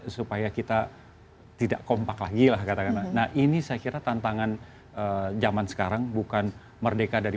supaya kita tidak kompak lagi lah katakanlah nah ini saya kira tantangan zaman sekarang bukan merdeka dari